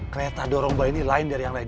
kereta dorong bali ini lain dari yang lain